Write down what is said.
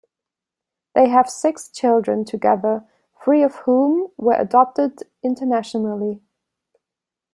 They have six children together, three of whom were adopted internationally.